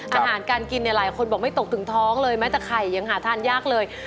อาหารการกินเนี่ยหลายคนบอกไม่ตกถึงท้องเลยแม้แต่ไข่ยังหาทานยากเลย